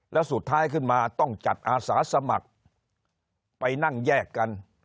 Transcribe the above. แล้วสุดท้ายขึ้นมาต้องจัดอาสาสมัครไปนั่งแยกกัน